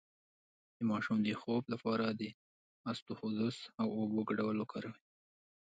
د ماشوم د خوب لپاره د اسطوخودوس او اوبو ګډول وکاروئ